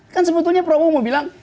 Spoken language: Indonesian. kan sebetulnya prabowo mau bilang